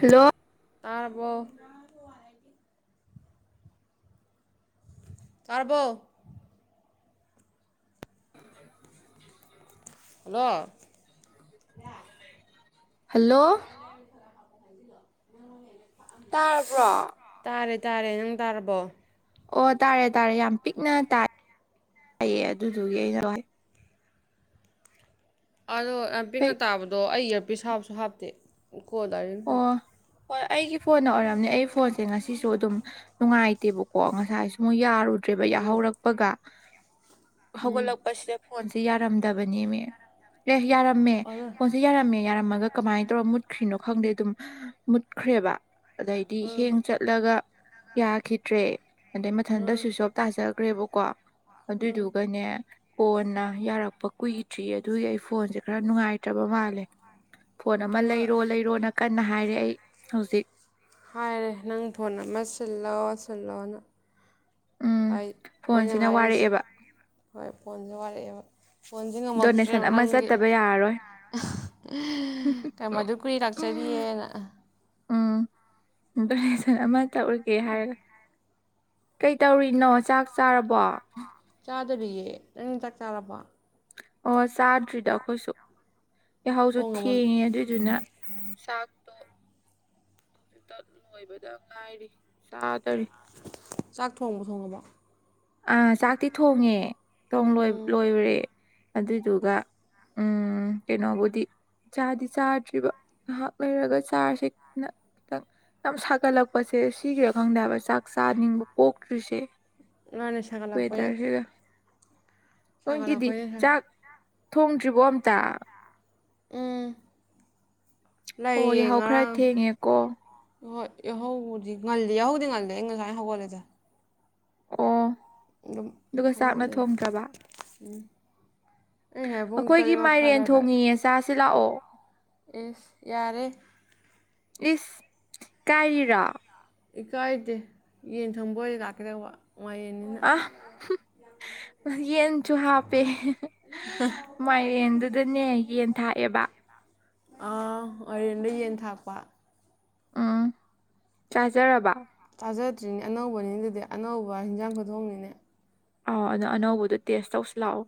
hello ꯇꯥꯔꯕꯣ ꯇꯥꯔꯕꯣ hello hello [unintelligible] ꯇꯥꯔꯕ꯭ꯔꯣ ꯇꯥꯔꯦ ꯇꯥꯔꯦ ꯅꯪ ꯇꯥꯔꯕꯣ ꯑꯣ ꯇꯥꯔꯦ ꯇꯥꯔꯦ ꯌꯥꯝ ꯄꯤꯛꯅ ꯇꯥꯏꯌꯦ ꯑꯗꯨꯗꯨꯒꯤ ꯑꯩꯅ ꯑꯗꯣ ꯌꯥꯝ ꯄꯤꯛꯅ ꯍꯥꯏꯐꯦꯠ ꯇꯥꯕꯗꯣ ꯑꯩ ꯏꯌꯥꯔꯄꯤꯁ ꯍꯥꯞꯁꯨ ꯍꯥꯞꯇꯦ ꯀꯣꯗꯥꯏꯔꯤ ꯈꯟ ꯑꯣ ꯍꯣꯏ ꯑꯩꯒꯤ ꯐꯣꯟꯅ ꯑꯣꯏꯔꯝꯅꯤ ꯑꯩ ꯐꯣꯟꯁꯦ ꯉꯁꯤꯁꯨ ꯑꯗꯨꯝ ꯅꯨꯡꯉꯥꯏ ꯇꯦꯕꯀꯣ ꯉꯁꯥꯏꯁꯨ ꯃꯨꯛ ꯌꯥꯔꯨꯗ꯭ꯔꯦꯕ ꯎꯝ ꯌꯥꯍꯧꯔꯛꯄꯒ ꯎꯝ ꯍꯧꯒꯠꯂꯛꯄꯁꯤꯗ ꯐꯣꯟꯁꯦ ꯌꯥꯔꯝꯗꯕꯅꯦꯃꯦ ꯑꯦ ꯌꯥꯔꯝꯃꯦ ꯑꯗꯨ ꯐꯣꯟꯁꯦ ꯌꯥꯔꯝꯃꯦ ꯌꯥꯔꯝꯃ ꯑ ꯀꯃꯥꯏꯅ ꯇꯧꯔꯒ ꯃꯨꯠꯈ꯭ꯔꯤꯅꯣ ꯈꯪꯗꯦ ꯑꯗꯨꯝ ꯃꯨꯠꯈ꯭ꯔꯦꯕ ꯑꯗꯩꯗꯤ ꯎꯝ ꯍꯦꯡ ꯆꯠꯂꯒ ꯌꯥꯈꯤꯗ꯭ꯔꯦ ꯑꯗꯩ ꯃꯊꯟꯗ ꯎꯝ ꯁ꯭ꯋꯨꯏꯁꯣꯞ ꯇꯥꯖꯒ꯭ꯔꯦꯕꯀꯣ ꯎꯝ ꯑꯗꯨꯏꯗꯨꯒꯅꯦ ꯀꯣꯟꯅ ꯌꯥꯔꯛꯄ ꯀꯨꯏꯗ꯭ꯔꯤꯌꯦ ꯑꯗꯨꯒꯤ ꯑꯩ ꯐꯣꯟꯁꯦ ꯈꯔ ꯅꯨꯡꯉꯥꯏꯇ꯭ꯔꯕ ꯃꯥꯜꯂꯦ ꯐꯣꯟ ꯑꯃ ꯍꯣꯏ ꯂꯩꯔꯣ ꯂꯩ ꯀꯟꯅ ꯍꯥꯏꯔꯦ ꯑꯩ ꯍꯧꯖꯤꯛ ꯍꯥꯏꯔꯦ ꯅꯪ ꯐꯣꯟ ꯑꯃ ꯁꯤꯜꯂꯣ ꯁꯤꯜꯂꯣꯅ ꯎꯝ ꯑꯩ ꯃꯣꯏꯅ ꯐꯣꯟꯁꯤꯅ ꯍꯥꯏꯔꯤꯁꯦ ꯋꯥꯔꯛꯑꯦꯕ ꯍꯣꯏ ꯐꯣꯟꯁꯨ ꯋꯥꯔꯛꯑꯦꯕ ꯐꯣꯟꯁꯤ ꯗꯣꯅꯦꯁꯟ ꯉꯝꯃꯛꯇ꯭ꯔꯦꯕ ꯑꯃ ꯅꯪꯒꯤ ꯌꯥꯔꯣꯏ ꯆꯠꯇꯕ ꯌꯥꯔꯔꯣꯏ ꯀꯝ ꯑꯗꯨ ꯀꯨꯏ ꯂꯥꯛꯆꯔꯤꯌꯦꯅ ꯎꯝ ꯗꯣꯅꯦꯁꯟ ꯑꯃ ꯇꯧꯔꯒꯦ ꯍꯥꯏꯔꯒ ꯀꯩ ꯇꯧꯔꯤꯅꯣ ꯆꯥꯛ ꯆꯥꯔꯕꯣ ꯆꯥꯗꯔꯤꯌꯦ ꯅꯪ ꯆꯥꯛ ꯆꯥꯔꯕꯣ ꯑꯣ ꯆꯥꯗ꯭ꯔꯤꯗ ꯑꯈꯣꯏꯁꯨ ꯌꯥꯍꯧꯁꯨ ꯊꯣꯡꯉꯕꯣ ꯊꯦꯡꯉꯦ ꯑꯗꯨꯏꯗꯨꯅ ꯆꯥꯛꯇꯣ ꯍꯧꯖꯤꯛꯇ ꯂꯣꯏꯕꯗ ꯉꯥꯏꯔꯤ ꯆꯥꯗꯔꯤ ꯆꯥꯛ ꯊꯣꯡꯕꯨ ꯊꯣꯡꯉꯕꯣ ꯑꯥ ꯆꯥꯛꯇꯤ ꯊꯣꯡꯉꯦ ꯎꯝ ꯂꯣꯏꯔꯦ ꯑꯗꯨꯏꯗꯨꯒ ꯎꯝ ꯀꯩꯅꯣꯕꯨꯗꯤ ꯆꯥꯗꯤ ꯆꯥꯗ꯭ꯔꯤꯕ ꯉꯥꯍꯥꯛ ꯂꯩꯔꯒ ꯆꯥꯥꯔꯁꯦꯅ ꯈꯤꯇꯪ ꯌꯥꯝ ꯁꯥꯒꯠꯂꯛꯄꯁꯦ ꯁꯤꯒꯤꯔꯥ ꯈꯪꯗꯦ ꯍꯥꯏꯕ ꯆꯥꯛ ꯆꯥꯅꯤꯡꯕ ꯄꯣꯛꯇ꯭ꯔꯤꯁꯦ ꯃꯥꯅꯤ ꯁꯥꯒꯠ ꯂꯛꯄꯩ ꯋꯦꯗꯔꯁꯤꯒ ꯅꯣꯏꯒꯤꯗꯤ ꯆꯥꯛ ꯊꯣꯡꯗ꯭ꯔꯤꯕꯣ ꯑꯝꯇ ꯎꯝ ꯑꯣ ꯂꯩꯌꯦ ꯌꯥꯍꯧ ꯈꯔ ꯉꯔꯥꯡ ꯊꯦꯡꯉꯦꯀꯣ ꯍꯣꯏ ꯌꯥꯍꯧꯗꯤ ꯉꯜꯂꯤ ꯌꯥꯍꯧꯗꯤ ꯉꯜꯂꯦ ꯑꯩ ꯉꯁꯥꯏ ꯍꯧꯒꯠꯂꯁꯦ ꯑꯣ ꯑꯗꯨꯝ ꯑꯗꯨꯒ ꯆꯥꯛꯅ ꯐꯃꯨꯠꯗ ꯂꯩ ꯎꯝ ꯑꯈꯣꯏꯒꯤ ꯃꯥꯏꯔꯦꯟ ꯑꯗꯥꯏꯗ ꯊꯣꯡꯉꯤꯌꯦ ꯆꯥꯁꯤ ꯂꯥꯛꯑꯣ ꯑꯦꯁ ꯌꯥꯔꯦ ꯏꯁ ꯀꯥꯏꯔꯤꯔꯣ ꯏꯀꯥꯏꯗꯦ ꯌꯦꯟ ꯊꯣꯡꯕꯣꯏ ꯂꯥꯛꯀꯦ ꯇꯧꯕ ꯑ ꯌꯦꯟ ꯁꯨ ꯍꯥꯞꯄꯦ ꯃꯥꯏꯔꯦꯟꯗꯨꯗꯅꯦ ꯌꯦꯟ ꯊꯥꯛꯑꯦꯕ ꯑꯥ ꯃꯥꯏꯔꯦꯟꯗꯣ ꯌꯦꯟ ꯊꯥꯛꯄ ꯎꯝ ꯆꯥꯖꯔꯕ ꯊꯥꯖꯗ꯭ꯔꯤꯅꯦ ꯑꯅꯧꯕꯅꯤ ꯑꯗꯨꯗꯤ ꯑꯅꯧꯕ ꯍꯤꯟꯖꯥꯡ ꯈꯨꯊꯣꯡꯅꯤꯅꯦ ꯑ ꯑꯗꯨꯗꯣ ꯑꯅꯧꯕꯗꯣ ꯇꯦꯁ ꯇꯧꯁꯨ ꯂꯥꯛꯑꯣ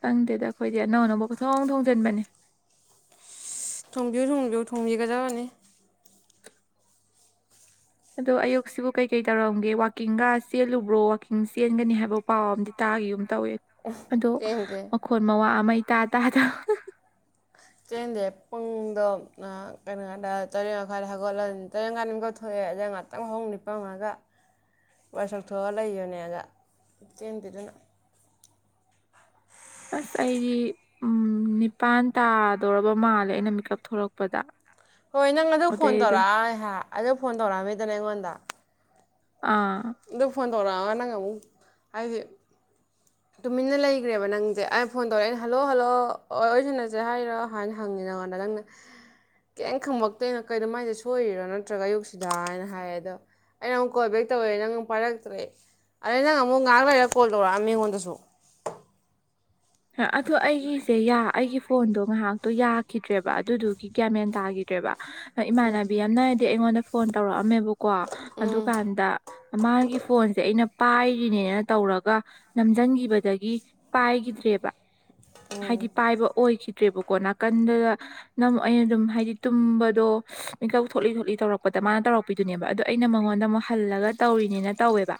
ꯈꯪꯗꯦꯗ ꯑꯩꯈꯣꯏꯗꯤ ꯑꯅꯧ ꯑꯅꯧꯕ ꯈꯨꯊꯣꯡ ꯊꯣꯡꯖꯤꯟꯕꯅꯤ ꯊꯣꯡꯕꯤꯨ ꯊꯣꯡꯕꯤꯨ ꯊꯣꯡꯕꯤꯒꯖ ꯃꯅꯤ ꯑꯗꯣ ꯑꯌꯨꯛꯁꯤꯕꯨ ꯀꯩꯀꯩ ꯇꯧꯔꯝꯒꯦ ꯋꯥꯋꯥꯛꯀꯤꯡꯒ ꯆꯦꯜꯂꯨꯕ꯭ꯔꯣ ꯋꯥꯋꯥꯛꯀꯤꯡ ꯆꯦꯟꯒꯅꯤ ꯍꯥꯏꯕ ꯄꯥꯎ ꯑꯝ ꯇꯥꯈꯤꯨꯝ ꯇꯧꯋꯤ ꯑꯗꯣ ꯀꯩꯝꯇ ꯃꯈꯣ ꯃꯋꯥ ꯑꯃꯇꯥ ꯇꯥꯗ ꯁꯦ ꯄꯨꯡꯗꯣ ꯀꯩꯅꯣꯗ ꯇꯔꯦꯠ ꯃꯈꯥꯏꯗ ꯊꯒꯠꯂꯅꯤ ꯇꯔꯦꯠ ꯃꯈꯥꯏ ꯑꯃꯀꯊꯑꯦ ꯉꯥꯏꯍꯥꯛꯇꯪ ꯍꯧꯍ ꯅꯤꯄꯃꯒ ꯋꯥꯥꯏꯁꯛ ꯊꯣꯛꯑ ꯂꯩꯌꯣꯅꯦꯒ ꯆꯦꯟꯗꯦꯗꯅ ꯑꯁ ꯑꯩꯗꯤ ꯅꯤꯄꯥꯟ ꯇꯥꯗꯧꯔꯕ ꯃꯥꯜꯂꯦ ꯑꯩꯅ ꯃꯤꯀꯞ ꯊꯣꯛꯂꯛꯄꯗ ꯍꯣꯏ ꯅꯪ ꯑꯗꯨ ꯐꯣꯟ ꯑꯗꯩ ꯑꯗꯨꯝ ꯇꯧꯔꯛꯑ ꯑꯗꯨ ꯐꯣꯟ ꯇꯧꯔꯛꯑꯝꯃꯤꯗꯅ ꯑꯩꯉꯣꯟꯗ ꯑꯥ ꯇꯧꯣꯔꯥ ꯅꯉ ꯑꯃ ꯍꯥꯏꯁ ꯇꯨꯃꯤꯟꯅ ꯂꯩꯈ꯭ꯔꯦꯕ ꯅꯪꯁꯦ ꯑꯩꯅ ꯐꯣꯟ ꯇꯧꯔꯛꯑꯦꯅ ꯍꯜꯂꯣ ꯍꯜꯂꯣ ꯑꯣꯏꯁꯤꯅꯁꯦ ꯍꯥꯏꯔꯣ ꯍꯥꯏꯅ ꯍꯪꯉ ꯀ ꯉꯥꯟꯅꯅ ꯀꯩꯝ ꯈꯪꯃꯛꯇꯣꯏꯅꯣ ꯀꯩꯅꯣ ꯃꯥꯏꯁꯦ ꯁꯣꯏꯔꯤꯔꯣ ꯅꯠꯇ꯭ꯔꯒ ꯑꯌꯨꯛꯁꯤꯗꯥ ꯍꯥꯏꯅ ꯍꯥꯏꯌꯦ ꯑꯗꯣ ꯑꯩ ꯅꯪꯨ ꯀꯣꯜ ꯦꯛ ꯇꯧꯔꯦ ꯅꯪ ꯄꯥꯏꯔꯛꯇ꯭ꯔꯦ ꯑꯗꯩ ꯅꯪ ꯑꯃꯨꯛ ꯉꯥꯏꯍꯥꯛ ꯂꯩꯔ ꯀꯣꯜ ꯇꯧꯔꯛꯑ ꯃꯤꯉꯣꯟꯗꯁꯨ ꯑꯗꯨꯣ ꯑꯩꯒꯤꯁꯦ ꯑꯩꯒꯤ ꯐꯣꯟꯗꯣ ꯉꯥꯏꯍꯥꯛꯇꯣ ꯌꯥꯈꯤꯗ꯭ꯔꯦꯕ ꯑꯗꯨꯗꯨꯒꯤ ꯒꯦꯃꯦꯟꯗꯥꯒꯤ ꯭ꯔꯦꯕ ꯏꯃꯥꯟꯅꯕꯤ ꯌꯥꯝꯅꯔꯗꯤ ꯑꯩꯉꯣꯟꯗ ꯐꯣꯟ ꯇꯧꯔꯛꯑꯝꯃꯦꯕ ꯀꯣ ꯎꯝ ꯑꯗꯨꯀꯥꯟꯗ ꯃꯥꯒꯤ ꯐꯣꯟꯁꯦ ꯑꯩꯅ ꯄꯥꯏꯔꯤꯅꯦꯅ ꯇꯧꯔꯒ ꯅꯝꯁꯤꯟꯈꯤꯕꯗꯒꯤ ꯄꯥꯏꯈꯤꯗ꯭ꯔꯦꯕ ꯎꯝ ꯍꯥꯏꯗꯤ ꯄꯥꯏꯕ ꯑꯣꯏꯈꯤꯗ ꯠꯇ꯭ꯔꯦꯕꯀꯣ ꯅꯥꯀꯟꯗꯨꯗ ꯅꯪ ꯑꯩꯅ ꯑꯗꯨꯝ ꯍꯥꯏꯗꯤ ꯇꯨꯝꯕꯗꯣ ꯃꯤꯀꯧ ꯊꯣꯛꯂꯤ ꯊꯣꯛꯣꯂꯤ ꯇꯧꯔꯛꯄꯗ ꯃꯥꯅ ꯇꯧꯔꯛꯄꯤꯗꯨꯅꯦꯕꯗꯣ ꯑꯩꯅ ꯃꯉꯣꯟꯗ ꯑꯃꯨꯛ ꯍꯜꯂꯒ ꯇꯧꯔꯤꯅꯦꯅ ꯇꯧꯋꯦꯕ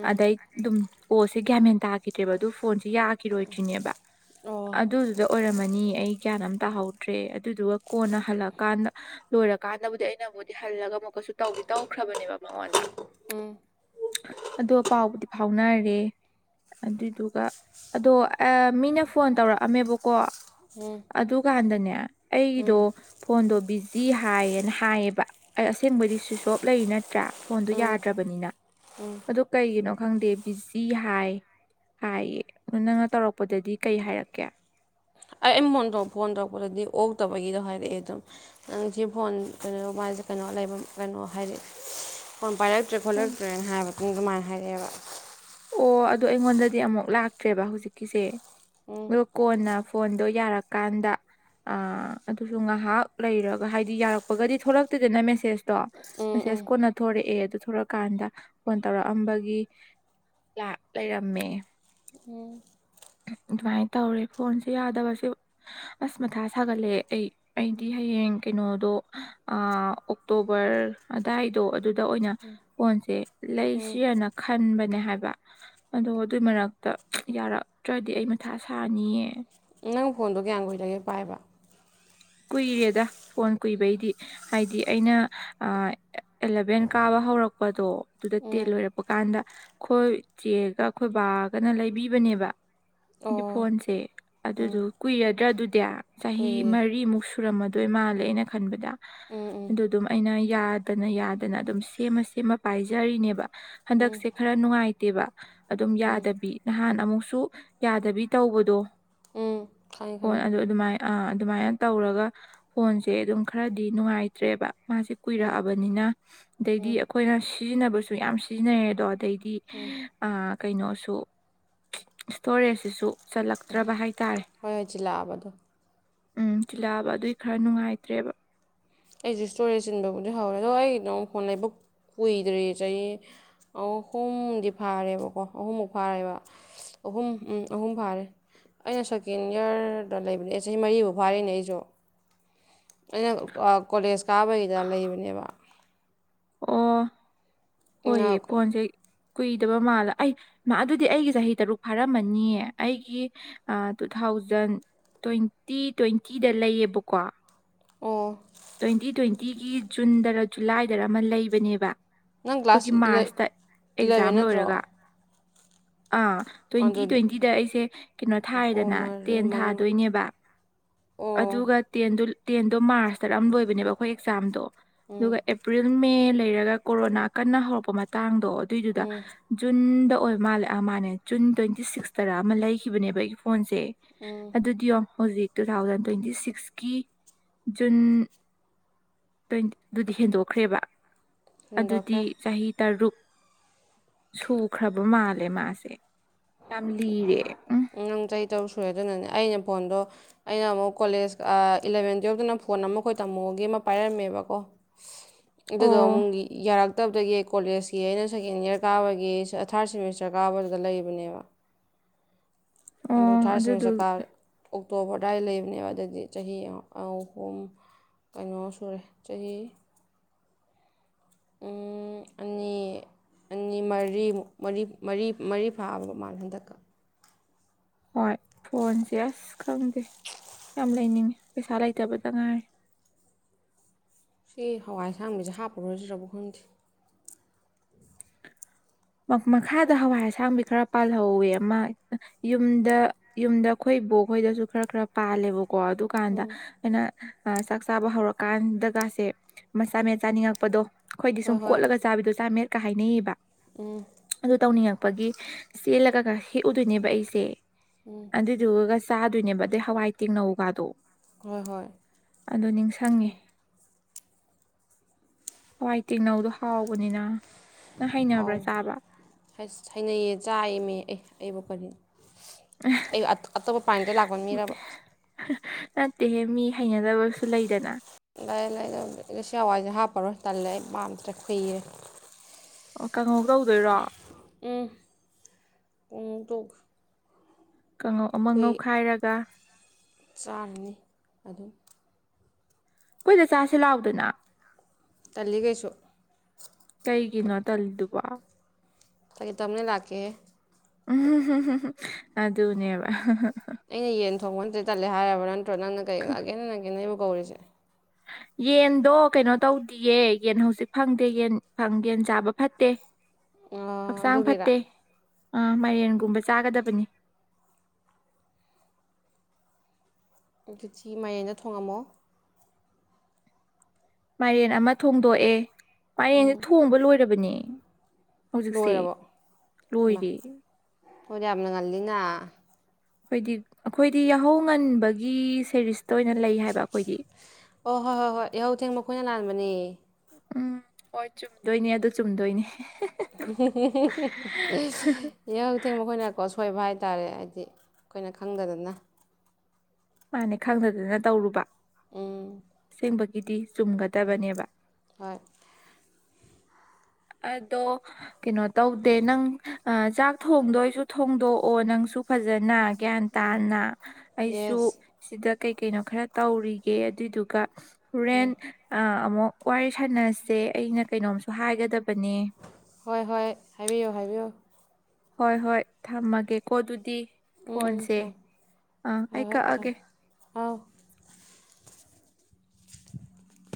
ꯎꯝ ꯑꯗꯩ ꯑꯗꯨꯝ ꯀꯣꯁꯦ ꯁꯤ ꯒꯌꯥꯃꯦꯟ ꯇꯥꯈꯤꯗ꯭ꯔꯦꯕ ꯑꯗꯨ ꯐꯣꯟꯁꯤ ꯌꯥꯛ ꯭ꯔꯤꯅꯦꯕ ꯑꯣ ꯑꯗꯨꯗꯨꯗ ꯑꯣꯏꯔꯝꯃꯅꯤ ꯑꯩ ꯒ꯭ꯌꯥꯟ ꯑꯃ ꯇꯥꯍꯧꯗ꯭ꯔꯦ ꯑꯗꯨꯗꯨꯒ ꯀꯣꯟꯅ ꯍꯜꯂꯛꯀꯥꯟꯗ ꯂꯣꯏꯔꯀꯥꯟꯗꯕꯨꯗꯤ ꯑꯩꯅꯕꯨꯗꯤ ꯍꯜꯂꯒ ꯑꯃꯨꯛꯀ ꯇꯧꯈ꯭ꯔꯕꯅꯦꯕ ꯃꯉꯣꯟꯗ ꯎꯝ ꯑ ꯄꯥꯎꯕꯨꯗꯤ ꯐ ꯐꯥꯎꯅꯔꯦ ꯑꯗꯨꯏꯗꯨꯒ ꯑꯗꯣ ꯃꯤꯅ ꯐꯣꯟ ꯇꯧꯔꯛꯑꯝꯃꯦꯕꯀꯣ ꯎꯝ ꯑꯗꯨꯀꯥꯟꯗꯅꯦ ꯑꯩꯗꯣ ꯎꯝ ꯐꯣꯟꯗꯣ ꯕꯤꯖꯤ ꯍꯥꯏꯌꯦꯅ ꯍꯥꯏꯌꯦꯕ ꯑꯩ ꯑꯁꯦꯡꯕꯗꯤ ꯁ꯭ꯋꯤꯤꯁ ꯑꯣꯐ ꯂꯩꯔꯤꯅ ꯅꯠꯇ꯭ꯔꯥ ꯐꯣꯟꯗꯨ ꯎꯝ ꯌꯥꯗ꯭ꯔꯕꯅꯤꯅ ꯑꯗꯨ ꯀꯩꯒꯤꯅꯣ ꯈꯪꯗꯦ ꯕꯤꯖꯤ ꯍꯥꯏ ꯍꯥꯏꯌꯦ ꯑꯗꯨ ꯅꯪꯅ ꯇꯧꯔꯛꯄꯗꯗꯤ ꯀꯩ ꯍꯥꯏꯔꯛꯀꯦ ꯑꯩ ꯐꯣꯟꯗ ꯐꯣꯟ ꯇꯧꯔꯛꯄꯗꯗꯤ ꯑꯣ ꯇꯧꯕꯒꯤꯗꯣ ꯍꯥꯏꯔꯛꯑꯦ ꯑꯗꯨꯝ ꯅꯪ ꯁꯤ ꯐꯣꯟ ꯀꯩꯅꯣꯁꯦ ꯀꯩꯅꯣ ꯂꯩꯕ ꯀꯩꯅꯣ ꯍꯥꯏꯔꯛꯑꯦ ꯐꯣꯟ ꯄꯥꯏꯔꯛꯇ꯭ꯔꯦ ꯑꯣ ꯈꯣꯠꯂꯛꯇ꯭ꯔꯦꯅ ꯍꯥꯏꯕ ꯃꯇꯨꯡ ꯑꯗꯨꯃꯥꯏꯅ ꯍꯥꯏꯔꯛꯑꯦꯕ ꯑꯣ ꯑꯗꯨꯗ ꯑꯩꯉꯣꯟꯗꯗꯤ ꯑꯃꯨꯛ ꯂꯥꯛꯇ꯭ꯔꯦꯕ ꯍꯧꯖꯤꯛꯀꯤꯁꯦ ꯎꯝ ꯑꯣ ꯀꯣꯟꯅ ꯐꯣꯟꯗꯣ ꯌꯥꯔꯀꯥꯟꯗ ꯑ ꯑꯗꯨꯁꯨ ꯉꯥꯏꯍꯥꯛ ꯂꯩꯔꯒ ꯍꯥꯏꯗꯤ ꯌꯥꯔꯛꯄꯒꯗꯤ ꯊꯣꯛꯂꯛꯇꯦꯗꯅ ꯃꯦꯁꯦꯁꯇꯣ ꯎꯝ ꯦꯁ ꯎꯝ ꯀꯣꯟꯅ ꯊꯣꯔꯛꯑꯦ ꯑꯗꯨ ꯊꯂꯛꯑꯀꯥꯟꯗ ꯐꯣꯟ ꯇꯧꯔꯛꯑꯝꯕꯒꯤ ꯂꯩꯔꯝꯃꯦ ꯎꯝ ꯑꯗꯨꯃꯥꯏꯅ ꯇꯧꯔꯦ ꯐꯣꯟꯁꯦ ꯌꯥꯗꯕꯁꯦ ꯑꯁ ꯃꯊꯥ ꯁꯥꯒꯠꯂꯛꯑꯦ ꯑꯩ ꯑꯩꯗꯤ ꯍꯩꯡ ꯍꯌꯦꯡ ꯀꯩꯅꯣꯗꯣ ꯑꯣꯛꯇꯣꯕꯔ ꯑꯗꯨꯗꯥꯋꯥꯏꯗꯣ ꯑꯗꯨꯗ ꯑꯣꯏꯅ ꯐꯣꯟꯁ ꯎꯝ ꯂꯩꯁꯤ ꯍꯥꯏꯅ ꯈꯟꯕꯅꯦ ꯍꯥꯏꯕ ꯑꯗꯣ ꯑꯗꯨꯏ ꯃꯔꯛꯇ ꯌꯥꯔꯛ ꯅꯠꯇ꯭ꯔꯗꯤ ꯑꯩ ꯃꯊꯥ ꯁꯥꯅꯤꯌꯦ ꯅꯪ ꯐꯣꯟꯗꯣ ꯀꯌꯥꯝ ꯀꯨꯏꯗꯒꯦ ꯄꯥꯏꯕ ꯀꯨꯏꯔꯦꯗ ꯐꯣꯟ ꯀꯨꯏꯕꯩꯗꯤ ꯍꯥꯏꯗꯤ ꯑꯩꯅ ꯑꯦꯂꯚꯦꯟ ꯀꯥꯕ ꯍꯧꯔꯛꯄꯗꯣ ꯑꯗꯨꯗ ꯇꯦꯜ ꯎꯝ ꯂꯣꯏꯔꯛꯄ ꯀꯥꯟꯗ ꯑꯩꯈꯣꯏ ꯆꯦꯒ ꯑꯩꯈꯣꯏ ꯕꯥꯒꯅ ꯂꯩꯕꯤꯕ ꯅꯦꯕ ꯑꯣ ꯐꯣꯟꯁꯦ ꯑꯗꯨ ꯎꯝ ꯀꯨꯏꯔꯗ꯭ꯔꯥ ꯑꯗꯨꯗꯤ ꯆꯍꯤ ꯀꯨꯏꯔꯦ ꯃꯔꯤ ꯃꯨꯛ ꯁꯨꯔꯝꯃꯗꯣꯏ ꯃꯥꯜꯂꯦꯅ ꯈꯟꯕꯗ ꯎꯝ ꯎꯝ ꯑꯗꯨꯗꯨꯝ ꯑꯩꯅ ꯌꯥꯗꯅ ꯌꯥꯗꯅ ꯑꯗꯨꯝ ꯁꯦꯝꯃ ꯁꯦꯝꯃ ꯄꯥꯏꯖꯔꯤꯅꯦꯕ ꯍꯟꯗꯛꯁꯦ ꯈꯔ ꯅꯨꯡꯉꯥꯏꯇꯦꯕ ꯑꯗꯨꯝ ꯎꯝ ꯌꯥꯗꯕꯤ ꯅꯍꯥꯟ ꯑꯃꯨꯛꯁꯨ ꯌꯥꯗꯕꯤ ꯇꯧꯕꯗꯣ ꯎꯝ ꯈꯪꯉꯦ ꯐꯣꯟ ꯈꯪꯉꯦ ꯑꯗꯨ ꯑꯗꯨꯃꯥꯏ ꯑꯥ ꯑꯗꯨꯃꯥꯏꯅ ꯇꯧꯔꯒ ꯐꯣꯟꯁꯦ ꯑꯗꯨꯝ ꯈꯔꯗꯤ ꯅꯨꯡꯉꯥꯏꯇ꯭ꯔꯦꯕ ꯃꯥꯁꯦ ꯎꯝ ꯀꯨꯏꯔꯛꯑꯕꯅꯤꯅ ꯑꯗꯩꯗꯤ ꯎꯝ ꯑꯩꯈꯣꯏꯅ ꯁꯤꯖꯤꯟꯅꯕꯁꯨ ꯌꯥꯝ ꯁꯤꯖꯤꯟꯅꯩꯦ ꯑꯗꯣ ꯑꯗꯩꯗꯤ ꯀꯩꯅꯣꯁꯨ ꯏꯁꯇꯣꯔꯦꯖꯁꯤꯁꯨ ꯆꯠꯂꯛꯇ꯭ꯔꯕ ꯍꯥꯏ ꯍꯣꯏ ꯍꯣꯏ ꯆꯤꯜꯂꯥꯛꯑꯕꯗꯣ ꯎꯝ ꯊꯤꯜꯂꯛꯑꯕ ꯑꯗꯨꯏ ꯈꯔ ꯅꯨꯡꯉꯥꯏꯇ꯭ꯔꯦꯕ ꯑꯩꯁꯦ ꯏꯁꯇꯣꯔꯦ ꯆꯤꯟꯕꯕꯨꯗꯤ ꯍꯧꯔꯦ ꯑꯗꯣ ꯑꯩ ꯅꯣꯡ ꯐꯣꯟ ꯂꯩꯕꯛ ꯀꯨꯏꯗ꯭ꯔꯤ ꯆꯍꯤ ꯑꯍꯨꯝꯗꯤ ꯐꯥꯔꯦꯕꯀꯣ ꯑꯍꯨꯝꯃꯨꯛ ꯐꯥꯔꯦꯕ ꯑꯍꯨꯝ ꯎꯝ ꯑꯍꯨꯝ ꯐꯥꯔꯦ ꯑꯩꯅ ꯁꯦꯀꯦꯟ ꯌꯔꯗ ꯂꯩꯕꯅꯦ ꯆꯍꯤ ꯃꯔꯤꯐꯥꯎ ꯐꯥꯔꯤꯅꯦ ꯑꯩꯁꯨ ꯑꯩꯅ ꯀꯣꯂꯦꯖ ꯀꯥꯕꯒꯤꯗ ꯂꯩꯕꯅꯦꯕ ꯑꯣ ꯍꯣꯏꯌꯦ ꯅ- ꯐꯣꯟꯁꯦ ꯀꯨꯏꯗꯕ ꯃꯥꯜꯂ ꯑꯩ ꯃꯥ ꯑꯗꯨꯗꯤ ꯑꯩꯒꯤ ꯆꯍꯤ ꯇꯔꯨꯛ ꯐꯥꯔꯝꯃꯅꯤꯌꯦ ꯑꯩꯒꯤ ꯇꯨ ꯊꯥꯎ ꯊꯥꯎꯖꯟ ꯇ꯭ꯋꯦꯟꯇꯤ ꯇ꯭ꯋꯦꯟꯇꯤꯗ ꯂꯩꯌꯦꯕꯀꯣ ꯑꯣ ꯇ꯭ꯋꯦꯟꯇꯤ ꯇ꯭ꯋꯦꯟꯇꯤꯒꯤ ꯖꯨꯟꯗꯔ ꯖꯨꯂꯥꯏꯗꯔ ꯑꯃ ꯂꯩꯕꯅꯦꯕ ꯅꯪ ꯑꯩꯈꯣꯏꯒꯤ ꯀ꯭ꯂꯥꯁ ꯏꯂ- ꯃꯥꯔꯁꯇ ꯏꯂꯚꯦꯟ ꯑꯦꯛꯖꯥꯝ ꯅꯠꯇ꯭ꯔꯣ ꯂꯣꯏꯔꯒ ꯑꯥ ꯇ꯭ꯋꯦꯟꯇꯤ ꯑꯗꯨꯗꯤ ꯇ꯭ꯋꯦꯟꯇꯤꯗ ꯑꯩꯁꯦ ꯀꯩꯅꯣ ꯑꯍꯨꯝ ꯊꯥꯔꯦꯗꯅ ꯃꯔꯤ ꯇꯦꯟ ꯃꯉꯥ ꯊꯥꯗꯣꯏꯅꯦꯕ ꯑꯣ ꯑꯗꯎꯒꯠꯇ ꯇꯦꯟꯗꯣ ꯃꯥꯔꯁ ꯇꯔ ꯑꯃ ꯂꯣꯏꯕꯅꯦꯕ ꯑꯩꯈꯣꯏ ꯑꯦꯛꯖꯥꯝꯗꯣ ꯎꯝ ꯑꯗꯨꯒ ꯑꯦꯄ꯭ꯔꯤꯜ ꯃꯦ ꯂꯩ ꯀ ꯎꯝ ꯍꯧ ꯍ ꯃꯥꯜꯂ ꯃꯥꯅꯦ ꯖꯨꯟ ꯇ꯭ꯋꯦꯟꯇꯤ ꯁꯤꯛꯁꯇꯔꯥ ꯑꯃ ꯂꯩꯈꯤꯕꯅꯦꯕ ꯑꯩꯒꯤ ꯐꯣꯟꯁꯦ ꯎꯝ ꯑꯗꯨꯗꯤꯌꯣ ꯍꯧꯖꯤꯛ ꯇꯨ ꯊꯥꯎꯖꯟ ꯇ꯭ꯋꯦꯟꯇꯤ ꯁꯤꯛꯁꯀꯤ ꯖꯨꯟ ꯇ꯭ꯋꯦꯟ ꯑꯗꯨꯗꯤ ꯍꯦꯟꯗꯣꯛꯈ꯭ꯔꯦꯕ ꯑꯗꯨꯗꯤ ꯍꯨꯟꯗꯣꯛꯈ꯭ꯔꯦ ꯆꯍꯤ ꯇꯔꯨꯛ ꯁꯨꯈ꯭ꯔꯕ ꯃꯥꯜꯂꯦ ꯃꯥꯁꯦ ꯇꯝꯂꯤꯔꯦ ꯎꯝ ꯅꯪ ꯆꯍꯤ ꯇꯔꯨꯛ ꯁꯨꯔꯦ ꯑꯗꯨꯅꯅꯦ ꯑꯩꯅ ꯐꯣꯟꯗꯣ ꯑꯩꯅ ꯑꯃꯨꯛ ꯀꯣꯂꯦꯖ ꯏꯂꯕꯦꯟ ꯇꯨꯌꯦꯜꯞꯇꯅ ꯐꯣꯟ ꯑꯃꯈꯣꯏ ꯇꯝꯃꯣꯒꯤ ꯑꯃ ꯄꯥꯏꯔꯝꯃꯦꯕ ꯀꯣ ꯑꯣ ꯑꯗꯨꯗꯣ ꯑꯃꯨꯛ ꯌꯥꯔꯛꯇꯕꯗꯒꯤ ꯀꯣꯂꯦꯖꯀꯤ ꯑꯩꯅ ꯁꯦꯀꯦꯟ ꯏꯌꯥꯔ ꯀꯥꯕꯒꯤ ꯊꯥꯔꯠ ꯁꯦꯃꯤꯁꯇꯔ ꯆꯀꯥꯔꯕꯗ ꯂꯩꯕꯅꯦꯕ ꯑꯗꯨ ꯑꯣ ꯊꯥꯁꯤ ꯑꯗꯨꯗꯨ ꯆꯀꯥ ꯑꯣꯛꯇꯣꯕ ꯑ ꯑꯗꯨꯋꯥꯏ ꯂꯩꯕꯅꯦꯕ ꯑꯗꯨꯗꯤ ꯆꯍꯤ ꯑꯍꯨꯝ ꯀꯩꯅꯣ ꯁꯨꯔꯦ ꯆꯍꯤ ꯎꯝ ꯑꯅꯤ ꯑꯅꯤ ꯃꯔꯤꯃꯨꯛ ꯃꯔꯤ ꯃꯔꯤ ꯃꯔꯤ ꯐꯥꯕ ꯃꯥꯜ ꯍꯟꯗꯛꯀ ꯍꯣꯏ ꯐꯣꯟꯁꯦ ꯑꯁ ꯈꯪꯗꯦ ꯌꯥꯝ ꯂꯩꯅꯤꯡꯉꯤ ꯄꯩꯁꯥ ꯂꯩꯇꯕꯗ ꯉꯥꯏꯔ ꯁꯤ ꯍꯋꯥꯏ ꯑꯁꯥꯡꯕꯤꯁꯦ ꯍꯥꯞꯄꯔꯣꯏꯁꯤ꯭ꯔꯕꯨ ꯈꯟꯗꯦ ꯃꯈꯥꯗ ꯍꯋꯥꯏ ꯑꯁꯥꯡꯕꯤ ꯈꯔ ꯄꯥꯜꯍꯧꯋꯤ ꯑꯃ ꯌꯨꯝꯗ ꯌꯨꯝꯗ ꯑꯩꯈꯣꯏ ꯕꯈꯣꯏꯗꯁꯨ ꯈꯔ ꯈꯔ ꯄꯥꯜꯂꯦꯕꯀꯣ ꯑꯗꯨꯀꯥꯟꯗ ꯑꯩꯅ ꯆꯥꯛ ꯆꯥꯕ ꯍꯧꯔꯀꯥꯟꯗꯒꯁꯦ ꯃꯆꯥ ꯃꯌꯥ ꯆꯥꯅꯤꯡꯉꯛꯄꯗꯣ ꯑꯩꯈꯣꯏꯗꯤ ꯁꯨꯝ ꯍꯣꯏ ꯍꯣꯏ ꯀꯣꯠꯂꯒ ꯆꯥꯕꯤꯗꯣ ꯆꯥꯃꯦꯦꯠꯀ ꯍꯥꯏꯅꯩꯌꯦꯕ ꯑꯗꯨ ꯇꯧꯅꯤꯡꯉꯛ ꯒꯤ ꯆꯦꯜꯂꯒ ꯍꯦꯛꯎꯗꯣꯏꯅꯦꯕ ꯑꯩꯁꯦ ꯑꯗꯨꯏꯗꯨꯒ ꯆꯥꯗꯣꯏꯅꯦꯕ ꯑꯗꯩ ꯍꯋꯥꯏ ꯇꯦꯡꯅꯧꯒꯗꯣ ꯍꯣꯏ ꯍꯣꯏ ꯍꯏ ꯇꯦꯡꯅꯧꯗꯣ ꯍꯥꯎꯕꯅꯤꯅ ꯅꯪ ꯍꯩꯅꯕ꯭ꯔꯥ ꯆꯥꯕ ꯍꯥꯏꯅꯩꯌꯦ ꯆꯥꯏꯃꯦ ꯑꯦ ꯑꯩꯕꯨ ꯀꯔꯤ ꯑꯩ ꯑꯇꯣꯞꯄ ꯄꯥꯗ ꯂꯥꯛꯄ ꯃꯤꯔꯕ ꯅꯠꯇꯦꯍꯦ ꯃꯤ ꯍꯩꯅꯗꯕꯁꯨ ꯂꯩꯗꯅ ꯂꯥꯏ ꯂꯥꯏꯁꯤ ꯍꯋꯥꯏꯁꯦ ꯍꯥꯞꯄꯔꯣꯏ ꯇꯜꯂꯦ ꯑꯩ ꯄꯝꯇ꯭ꯔ ꯈꯨꯨꯏꯔꯦ ꯑꯣ ꯀꯩꯅꯧ ꯇꯧꯗꯣꯏꯔꯣ ꯄꯨꯡ ꯇꯣꯛ ꯀꯥꯡꯉꯧ ꯑꯃ ꯉꯧꯈꯥꯏꯔꯒ ꯆꯥꯔꯅꯤ ꯑꯗꯨꯝ ꯑꯩꯈꯣꯏꯗ ꯆꯁꯤꯦ ꯂꯥꯛꯗꯅ ꯇꯜꯂꯤ ꯀꯩꯁꯨ ꯀꯩꯒꯤꯅꯣ ꯇꯜꯂꯤꯗꯨꯕ ꯇꯗꯒꯤꯦ ꯇꯝꯅꯦ ꯂꯥꯛ ꯀꯩ ꯑꯗꯨ ꯑꯗꯨꯅꯦꯕ ꯑꯩꯅ ꯌꯦꯟ ꯊꯣꯡꯕ ꯅꯠꯇ꯭ꯔ ꯇꯠꯂꯦ ꯍꯥꯏꯔꯕ꯭ꯔ ꯅꯠꯇ꯭ꯔꯣ ꯅꯪꯅ ꯀꯩ ꯂꯥꯛꯒꯦꯅ ꯅꯪꯒꯦ ꯅꯕꯨ ꯀꯧꯔꯤꯁꯦ ꯎ ꯌꯦꯟꯗꯣ ꯀꯩꯅꯣ ꯇꯧꯗꯌꯦ ꯌꯦꯟ ꯍꯧꯖꯤꯛ ꯐꯪꯗꯦ ꯌꯦꯟ ꯌꯦꯟ ꯆꯥꯕ ꯐꯠꯇꯦ ꯍꯛꯆꯥꯡ ꯑꯗꯨꯒꯤꯔ ꯐꯠꯇꯦ ꯑꯥ ꯃꯌꯦꯦꯟꯒꯨꯝꯕ ꯆꯥꯒꯗꯕꯅꯤ ꯑꯗꯨ ꯆꯤ ꯃꯌꯥꯌꯦꯩꯅ ꯊꯣꯡꯉꯝꯃꯣ ꯃꯥꯏꯔꯦꯟ ꯑꯃ ꯊꯣꯡꯗꯣꯛꯑꯦ ꯃꯥꯏꯔꯦꯟꯁꯦ ꯊꯣꯡꯕ ꯂꯣꯏꯔꯕꯅꯦ ꯍꯧꯖꯤꯛꯁꯦ ꯂꯣꯏꯔꯕꯣ ꯏꯃ ꯂꯣꯏꯔꯦ ꯍꯗꯤ ꯌꯥꯝꯅ ꯉꯜꯂꯤꯅ ꯑꯩꯈꯣꯏꯗꯤ ꯑꯩꯈꯣꯏꯗꯤ ꯌꯥꯍꯧ ꯉꯟꯕꯒꯤ ꯁꯦꯔꯤꯁ ꯑꯣ ꯍꯣꯏ ꯍꯣꯏ ꯍꯣꯏ ꯏꯍꯧ ꯊꯦꯡꯕꯣꯏꯅ ꯂꯥꯟꯕꯅꯦ ꯎꯝ ꯍꯣꯏ ꯆꯨꯝꯗꯣꯏꯅꯤ ꯑꯗꯨ ꯆꯨꯝꯗꯣꯏꯅꯤ ꯏ ꯍꯧ ꯊꯦꯡ ꯃꯈꯣꯏꯅ ꯀꯁ ꯁꯣꯏꯕ ꯍꯥꯏꯇꯥꯔꯦ ꯍꯥꯏꯗꯤ ꯑꯩꯈꯣꯏꯅ ꯈꯪꯗꯗꯅ ꯃꯥꯅꯤ ꯈꯪꯗꯗꯅ ꯇꯧꯔꯨꯕ ꯎꯝ ꯕꯒꯤꯗꯤ ꯆꯨꯝꯒꯗꯕꯅꯦꯕ ꯍꯣꯏ ꯑꯗꯣ ꯀꯩꯅꯣ ꯇꯧꯗꯦ ꯅꯪ ꯑ ꯆꯥꯛ ꯊꯣꯡꯗꯣ ꯑꯩꯁꯨ ꯊꯣꯡꯗꯣꯛꯑꯣ ꯅꯪꯁꯨ ꯐꯖꯅ ꯒ꯭ꯌꯥꯟ ꯇꯥꯅ ꯑꯩꯁꯨ ꯌꯦꯁ ꯁꯤꯗ ꯀꯩ ꯀꯩꯅꯣ ꯈꯔ ꯇꯧꯔꯤꯒꯦ ꯑꯗꯨꯏꯗꯨꯒ ꯔꯣꯔꯦꯟ ꯑꯃꯨꯛ ꯋꯥꯔꯤ ꯁꯥꯟꯅꯁꯦ ꯑꯩꯅ ꯀꯩꯅꯣꯝꯁꯨ ꯍꯥꯏꯒꯗꯕ ꯍꯣꯏ ꯍꯣꯏ ꯍꯥꯏꯕꯤꯌꯣ ꯍꯥꯏꯕꯤꯌꯨ ꯍꯣꯏ ꯍꯣꯏ ꯊꯝꯃꯒꯦꯀꯣ ꯑꯗꯨꯗꯤ ꯎꯝ ꯎꯝ ꯐꯣꯟꯁꯦ ꯊꯝꯃꯣ ꯑꯪ ꯑꯩ ꯍꯣꯏ ꯍꯣꯏ ꯀꯛꯑꯒꯦ ꯊꯝꯃꯣ ꯑꯥꯎ [unintelligible]